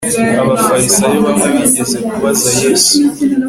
abafarisayo bamwe bigeze kubaza yesu